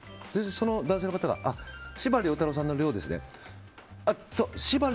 その男性の方が司馬遼太郎さんの「遼」ですねって。